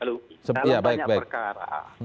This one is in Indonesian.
dalam banyak perkara